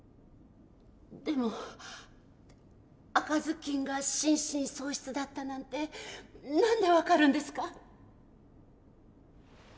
でも赤ずきんが心神喪失だったなんて何で分かるんですか？